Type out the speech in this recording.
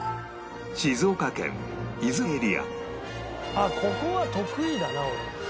あっここは得意だな俺。